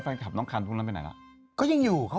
ก็ยังอยู่เขาก็ยังอยู่กัน